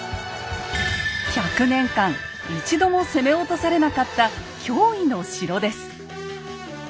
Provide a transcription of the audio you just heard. １００年間一度も攻め落とされなかった驚異の城です。